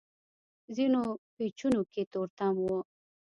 ځينو پېچونو کې تورتم و.